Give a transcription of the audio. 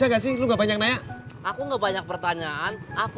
masih harus animals